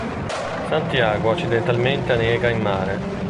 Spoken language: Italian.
Santiago accidentalmente annega in mare.